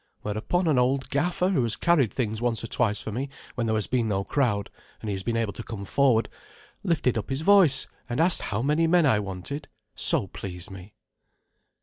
Whereupon an old gaffer, who has carried things once or twice for me when there has been no crowd and he has been able to come forward, lifted up his voice and asked how many men I wanted, so please me.